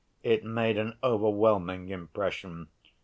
It made an overwhelming impression.